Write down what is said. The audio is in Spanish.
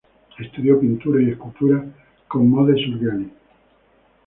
Estudió pintura y escultura con Modest Urgell.